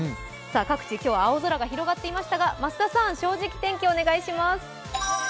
各地、今日は青空が広がっていましたが、増田さん、「正直天気」お願いします。